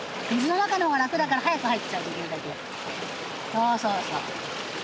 そうそうそう。